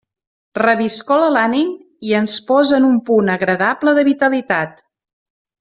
Reviscola l'ànim i ens posa en un punt agradable de vitalitat.